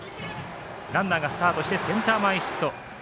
ランナーがスタートしてセンター前ヒット。